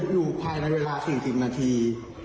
อยู่พายหาระเวลา๔๐นาที